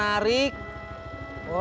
brah cepat tv